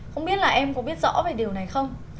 không biết là em có biết rõ về điều này không